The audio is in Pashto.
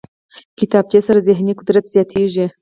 کتابچه سره ذهني قدرت زیاتېږي